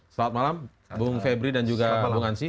selamat malam bung febri dan juga bung ansi